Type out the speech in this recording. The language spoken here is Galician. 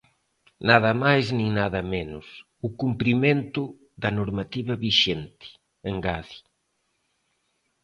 Nada máis nin nada menos: o cumprimento da normativa vixente, engade.